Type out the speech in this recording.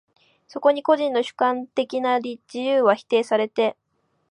そこに個人の主観的な自由は否定されて、